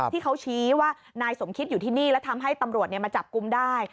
ที่เขาชี้ว่านายสมคิดอยู่ที่นี่แล้วทำให้ตำรวจมาจับกลุ่มได้